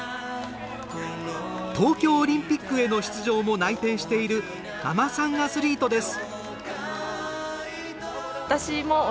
東京オリンピックへの出場も内定しているママさんアスリートです。